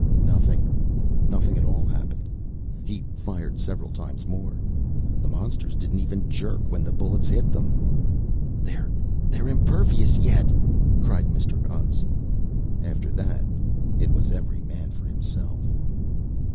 Nothing nothing at all happened. He fired several times more. The monsters didn't even jerk when the bullets hit them. "They're they're impervious yet!" cried Mr. Untz. After that it was every man for himself.